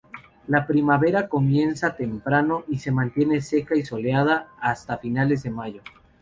La primavera comienza temprano y se mantiene seca y soleada hasta finales de mayo.